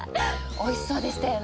美味しそうでしたよね？